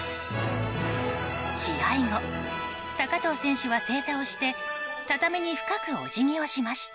試合後、高藤選手は正座をして畳に深くお辞儀をしました。